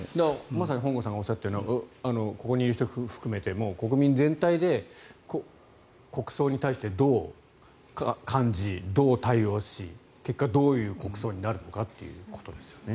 まさに本郷さんがおっしゃったようにここにいる人含めてもう国民全体で国葬に対して、どう感じどう対応し結果どういう国葬になるのかということですよね。